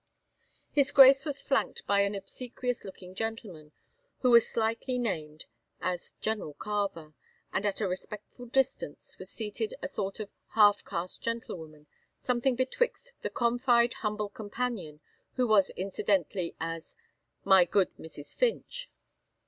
His Grace was flanked by an obsequious looking gentleman, who was slightly named as General Carver; and at a respectful distance was seated a sort of half cast gentle woman, something betwixt the confide humble companion, who was incidentally as "my good Mrs. Finch."